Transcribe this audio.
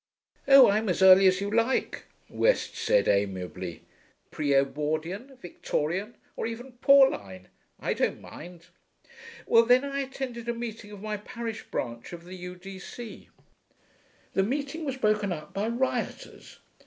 'Oh, I'm as early as you like,' West said amiably. 'Pre Edwardian Victorian or even Pauline; I don't mind.... Well, then I attended a meeting of my parish branch of the U.D.C. The meeting was broken up by rioters.